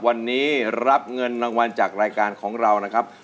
วันนี้รับเงินรางวัลจากรายการของเรานะครับ